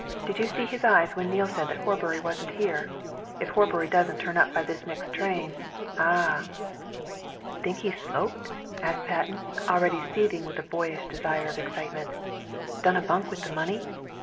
"Did you see his eyes when Neale said that Horbury wasn't here? If Horbury doesn't turn up by this next train ah!" "Think he's sloped?" asked Patten, already seething with boyish desire of excitement. "Done a bunk with the money?"